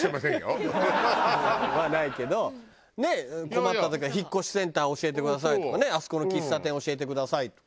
困った時は「引っ越しセンター教えてください」とかね「あそこの喫茶店教えてください」とか。